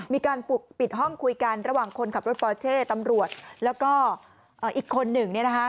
มีการปกปิดห้องคุยกันระหว่างคนขับรถปอเช่ตำรวจแล้วก็อีกคนหนึ่งเนี่ยนะคะ